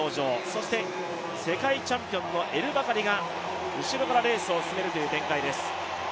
そして、世界チャンピオンのエルバカリが後ろからレースを進める展開です。